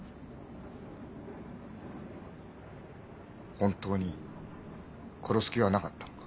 本当に殺す気はなかったのか？